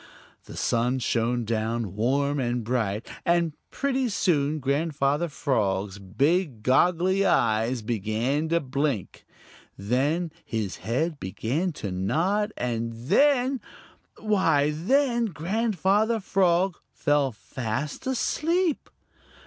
The sun shone down warm and bright, and pretty soon Grandfather Frog's big goggly eyes began to blink. Then his head began to nod, and then why, then Grandfather Frog fell fast asleep.